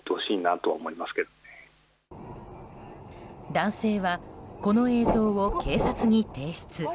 男性はこの映像を警察に提出。